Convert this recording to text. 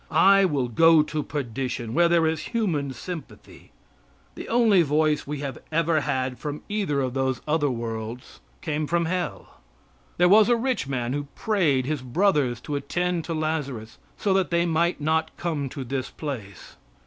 I will go to perdition, where there is human sympathy. The only voice we have ever had from either of those other worlds came from hell. There was a rich man who prayed his brothers to attend to Lazarus so that they might "not come to this place."